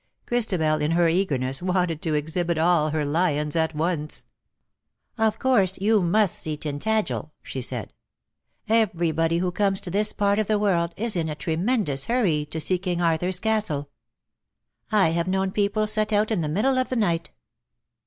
Christabel, in her eagerness, wanted to exhibit all her lions at once. " Of course, you must see Tintagel," she said ;'^ everybody who comes to this part of the world is 72 "tintagel, half in sea, and half on land." in a tremendous hurry to see King Arthur's castle. I have known people set out in the middle of the night."